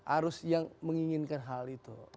arus yang menginginkan hal itu